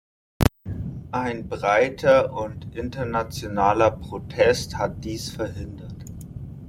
Ein breiter und internationaler Protest hat dies verhindert.